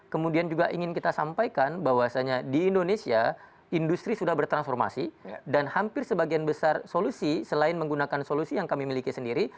kemudian juga ingin kita sampaikan bahwasannya di indonesia industri sudah bertransformasi dan hampir sebagian besar solusi selain menggunakan solusi yang kami miliki sendiri